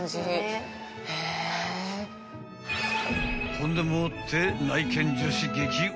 ［ほんでもって］